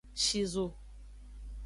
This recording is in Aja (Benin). Shizo.